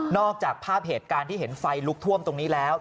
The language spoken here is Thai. อกจากภาพเหตุการณ์ที่เห็นไฟลุกท่วมตรงนี้แล้ว